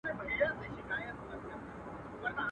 یو ابا یوه ابۍ کړې یو یې دېګ یو یې دېګدان کې.